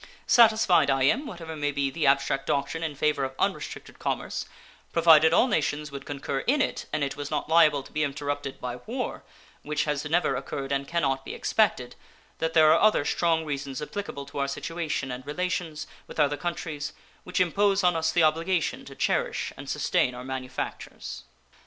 Satisfied I am, whatever may be the abstract doctrine in favor of unrestricted commerce, provided all nations would concur in it and it was not liable to be interrupted by war, which has never occurred and can not be expected, that there are other strong reasons applicable to our situation and relations with other countries which impose on us the obligation to cherish and sustain our manufactures.